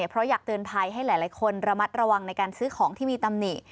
เพราะอยากเตือนภัยให้หลายคนระมัดระวังในการซื้อของที่มีตำหนิ